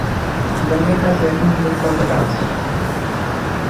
ইয়াং-এর কাছে এখনও হীরকখন্ডটা আছে!